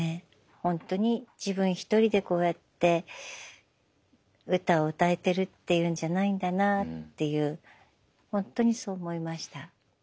ほんとに自分１人でこうやって歌を歌えてるっていうんじゃないんだなぁっていう本当にそう思いました。